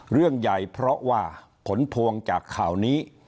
เรื่องใหญ่เพราะว่าผลพวงจากข่าวนี้